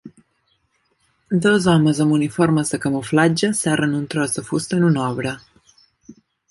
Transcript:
Dos homes amb uniformes de camuflatge serren un tros de fusta en una obra.